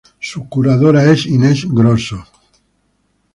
Su curadora es Inês Grosso.